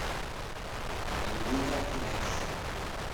Ningú no el coneix.